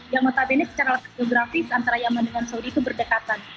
yang notabene secara geografis antara yemen dengan saudi itu berdekatan